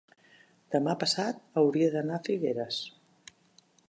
Demà passat hauria d'anar a Figueres.